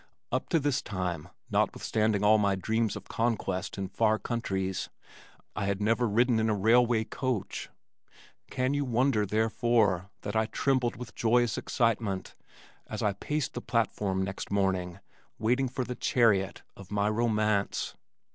Up to this time, notwithstanding all my dreams of conquest in far countries, I had never ridden in a railway coach! Can you wonder therefore that I trembled with joyous excitement as I paced the platform next morning waiting for the chariot of my romance?